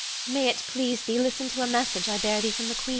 May it please thee, listen to a message I bear thee from the queen.